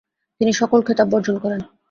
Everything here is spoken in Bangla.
তিনি সকল খেতাব বর্জন করেন।